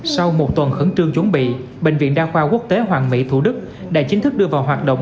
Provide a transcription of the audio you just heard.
sau một tuần khẩn trương chuẩn bị bệnh viện đa khoa quốc tế hoàng mỹ thủ đức đã chính thức đưa vào hoạt động